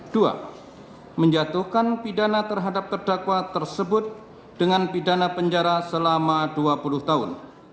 dua menjatuhkan pidana terhadap terdakwa tersebut dengan pidana penjara selama dua puluh tahun